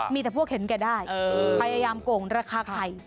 มีแต่พวกเห็นแกได้พยายามโกงราคาไข่